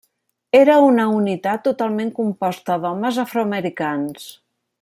Era una unitat totalment composta d'homes afroamericans.